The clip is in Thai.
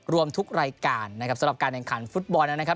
รวมทุกรายการนะครับสำหรับการแข่งขันฟุตบอลนะครับ